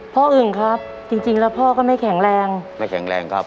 อึ่งครับจริงจริงแล้วพ่อก็ไม่แข็งแรงไม่แข็งแรงครับ